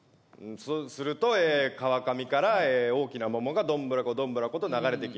すると川上から大きな桃がどんぶらこどんぶらこと流れてきました。